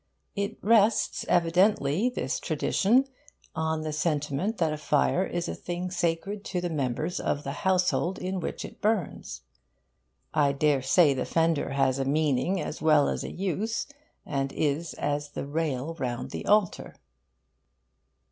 It rests evidently, this tradition, on the sentiment that a fire is a thing sacred to the members of the household in which it burns. I dare say the fender has a meaning, as well as a use, and is as the rail round an altar.